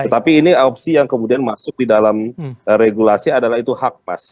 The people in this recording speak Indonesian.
tetapi ini opsi yang kemudian masuk di dalam regulasi adalah itu hak mas